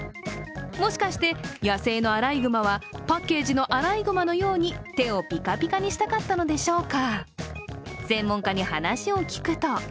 もしかして野生のアライグマはパッケージのアライグマのように手をぴかぴかにしたかったのでしょうか。